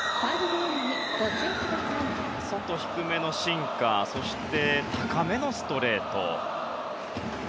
外低めのシンカーそして高めのストレート。